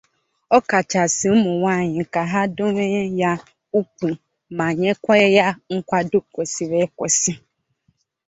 ọkachasị ụmụnwaanyị ka ha dọnyere ya ukwu ma nyekwa ya nkwàdo kwesiri ekwesi